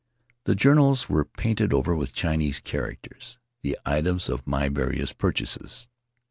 The journals were painted over with Chinese characters — the items of my various purchases.